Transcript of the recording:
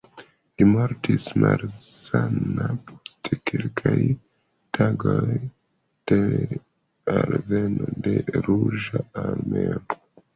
Li mortis malsana post kelkaj tagoj de alveno de Ruĝa Armeo.